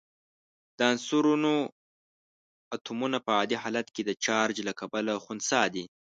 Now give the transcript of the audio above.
د عنصرونو اتومونه په عادي حالت کې د چارج له کبله خنثی دي.